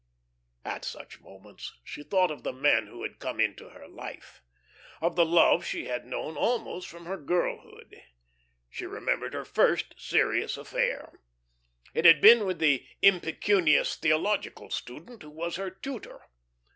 At such moments she thought of the men who had come into her life of the love she had known almost from her girlhood. She remembered her first serious affair. It had been with the impecunious theological student who was her tutor.